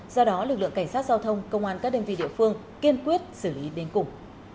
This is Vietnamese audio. do đó lực lượng cảnh sát giao thông công an các đơn vị địa phương kiên quyết xử lý đến cùng